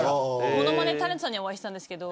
物まねタレントさんにはお会いしたんですけど。